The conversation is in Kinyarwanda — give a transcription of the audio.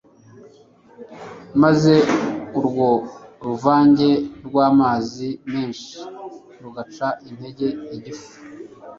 maze urwo ruvange rwamazi menshi rugaca intege igifu